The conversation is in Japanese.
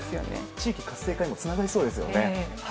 地域活性化にもつながりそうですよね。